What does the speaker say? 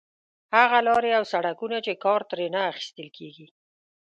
هغه لارې او سړکونه چې کار ترې نه اخیستل کېږي.